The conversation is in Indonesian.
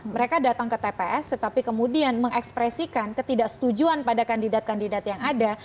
mereka datang ke tps tetapi kemudian mengekspresikan ketidaksetujuan pada kandidat kandidat yang ada